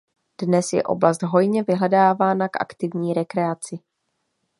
Dnes je oblast hojně vyhledávána k aktivní rekreaci.